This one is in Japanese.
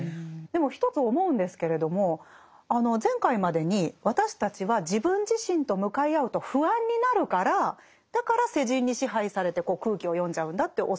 でも一つ思うんですけれども前回までに私たちは自分自身と向かい合うと不安になるからだから世人に支配されて空気を読んじゃうんだって教わりましたよね。